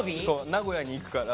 名古屋に行くから。